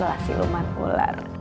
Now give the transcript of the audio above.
masih luman ular